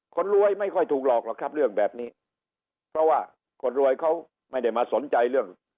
คนรวยไม่ค่อยถูกหลอกหรอกครับเรื่องแบบนี้เพราะว่าคนรวยเขาไม่ได้มาสนใจเรื่อง